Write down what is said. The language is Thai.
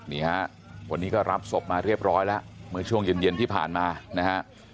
นี่ฮะวันนี้ก็รับศพมาเรียบร้อยแล้วเมื่อช่วงเย็นที่ผ่านมานะฮะ